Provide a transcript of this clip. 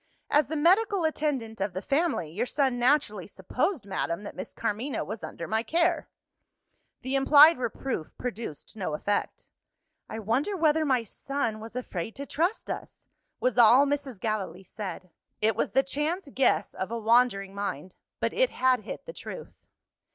"As the medical attendant of the family, your son naturally supposed, madam, that Miss Carmina was under my care." The implied reproof produced no effect. "I wonder whether my son was afraid to trust us?" was all Mrs. Gallilee said. It was the chance guess of a wandering mind but it had hit the truth.